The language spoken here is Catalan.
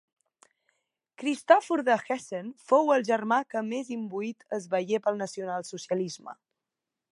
Cristòfor de Hessen fou el germà que més imbuït es veié pel nacionalsocialisme.